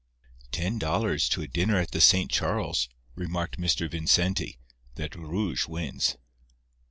"Ten dollars to a dinner at the Saint Charles," remarked Mr. Vincenti, "that rouge wins."